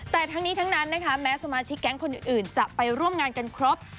แต่ทั้งนี้ทั้งนั้นนะคะแม้สมาชิกแก๊งคนอื่นจะไปร่วมงานกันครบ